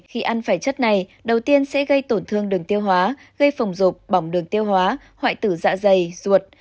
khi ăn phải chất này đầu tiên sẽ gây tổn thương đường tiêu hóa gây phồng rộp bỏng đường tiêu hóa hoại tử dạ dày ruột